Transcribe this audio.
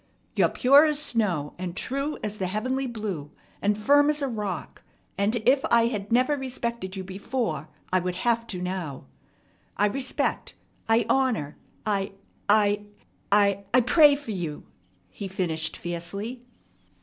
You're pure as snow, and true as the heavenly blue, and firm as a rock; and, if I had never respected you before, I would have to now. I respect, I honor, I I I pray for you!" he finished fiercely.